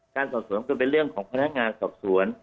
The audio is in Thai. การสอบสวนก็เป็นเรื่องของพนักงานสอบสวน